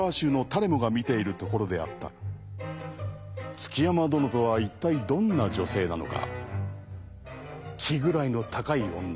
築山殿とは一体どんな女性なのか。